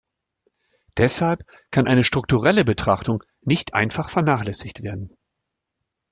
Deshalb kann eine strukturelle Betrachtung nicht einfach vernachlässigt werden.